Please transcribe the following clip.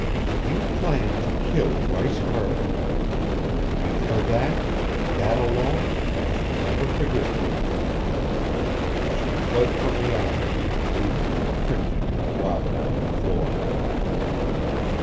"You planned to kill Bryce Cardigan! And for that and that alone I shall never forgive you." She fled from the office, leaving him cringing and grovelling on the floor.